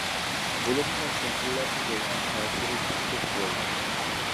بولۇپمۇ شەھەرلەرگە بولغان تەسىرى كۈچلۈك بولدى.